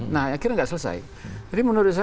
nah akhirnya nggak selesai jadi menurut saya